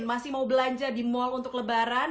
masih mau belanja di mal untuk lebaran